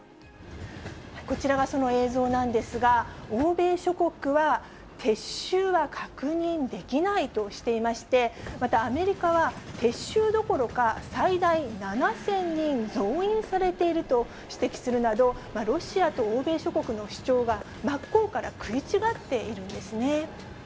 こちらがその映像なんですが、欧米諸国は撤収は確認できないとしていまして、またアメリカは、撤収どころか、最大７０００人増員されていると指摘するなど、ロシアと欧米諸国の主張が真っ向から食い違っているんですね。